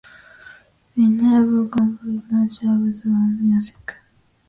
The ensemble composes much of their own music.